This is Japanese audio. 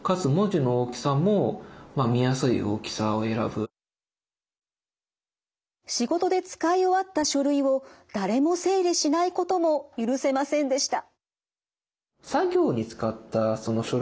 それもちゃんと仕事で使い終わった書類を誰も整理しないことも許せませんでした。